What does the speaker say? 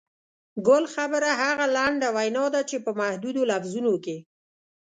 ګل خبره هغه لنډه وینا ده چې په محدودو لفظونو کې.